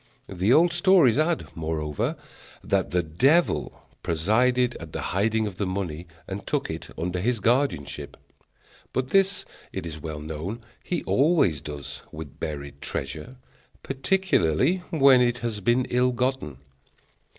The old stories add, moreover, that the devil presided at the hiding of the money, and took it under his guardianship; but this, it is well known, he always does with buried treasure, particularly when it has been ill gotten.